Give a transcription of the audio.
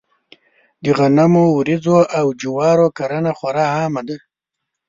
د غنمو، وريجو او جوارو کرنه خورا عامه ده.